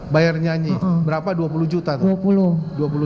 bayar nyanyi berapa dua puluh juta tuh